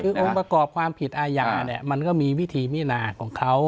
จะกรอบความผิดอายานเนี้ยมันก็มีวิธีมิอาณาของเขา